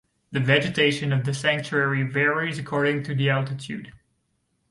The vegetation of the sanctuary varies according to the altitude.